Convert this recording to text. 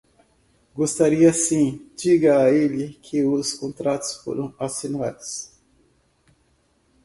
Gostaria sim. Diga a ele que os contratos foram assinados.